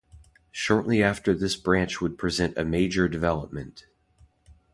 Shortly after this branch would present a major development.